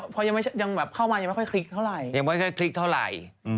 เพราะยังแบบเข้ามายังไม่ค่อยคลิกเท่าไหร่